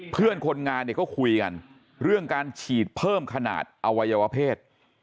เพื่อนคนงานเนี่ยก็คุยกันเรื่องการฉีดเพิ่มขนาดอวัยวเพศ